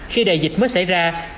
khi đại dịch mới xảy ra